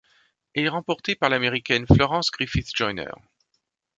Elle est remportée par l'Américaine Florence Griffith-Joyner.